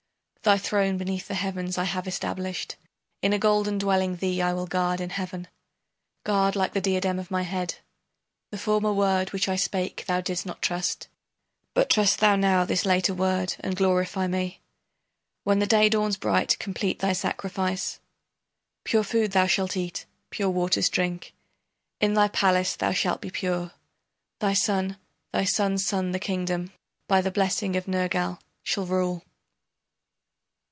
Thy throne beneath the heavens I have established; In a golden dwelling thee I will guard in heaven Guard like the diadem of my head. The former word which I spake thou didst not trust, But trust thou now this later word and glorify me, When the day dawns bright complete thy sacrifice. Pure food thou shalt eat, pure waters drink, In thy palace thou shalt be pure. Thy son, thy son's son the kingdom By the blessing of Nergal shall rule.